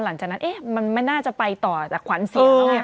หลังจากนั้นมันไม่น่าจะไปต่อแต่ขวัญเสียงเขาไง